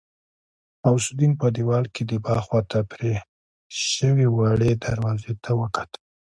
غوث الدين په دېوال کې د باغ خواته پرې شوې وړې دروازې ته وکتل.